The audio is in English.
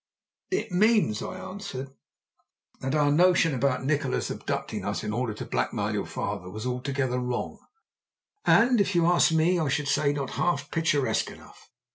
"It means," I answered, "that our notion about Nikola's abducting us in order to blackmail your father was altogether wrong, and, if you ask me, I should say not half picturesque enough.